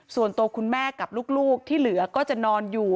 ส่วนตัวคุณแม่กับลูกที่เหลือก็จะนอนอยู่